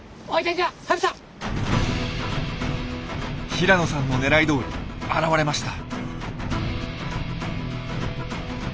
平野さんのねらいどおり現れました。